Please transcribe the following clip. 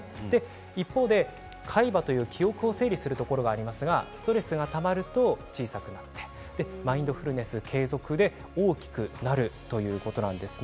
一方で海馬という記憶を整理するところがありますがストレスがたまると小さくなってマインドフルネス継続で大きくなるということなんです。